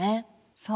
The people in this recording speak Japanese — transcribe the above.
そう。